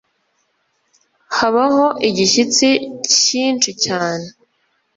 habaho igishyitsi cyinshi cyane